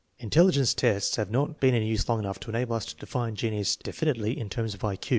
Intelligence tests have not been in use long enough to enable us to define genius defi nitely in terms of I Q.